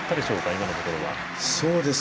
今のところは。